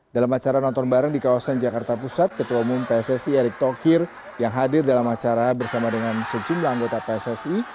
dalam acara nonton bareng di kawasan jakarta pusat ketua umum pssi erick thokir yang hadir dalam acara bersama dengan sejumlah anggota pssi